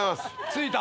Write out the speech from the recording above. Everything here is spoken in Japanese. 着いた。